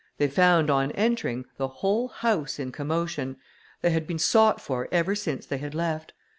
They found, on entering, the whole house in commotion. They had been sought for ever since they had left.